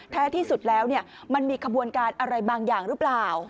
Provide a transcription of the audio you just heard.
แท้ที่สุดแล้วมันมีขบวนการอะไรบางอย่างหรือเปล่า